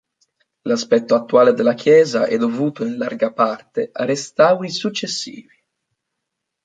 L'aspetto attuale della chiesa è dovuto in larga parte a restauri successivi.